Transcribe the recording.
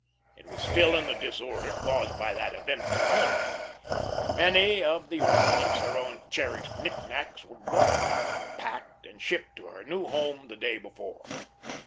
It was still in the disorder caused by that eventful morning; many of the ornaments her own cherished knick knacks were gone, packed and shipped to her new home the day before.